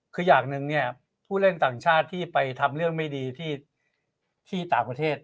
คืออย่างหนึ่งเนี่ยผู้เล่นต่างชาติที่ไปทำเรื่องไม่ดีที่ต่างประเทศ